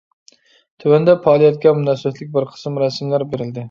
تۆۋەندە پائالىيەتكە مۇناسىۋەتلىك بىر قىسىم رەسىملەر بېرىلدى.